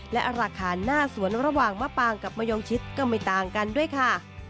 และราคาหน้าสวนระหว่างมะปางกับมะยองชิดก็ไม่ต่างกันด้วยค่ะ